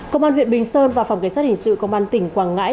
công an huyện bình sơn và phòng kế sát hình sự công an tỉnh quảng ngãi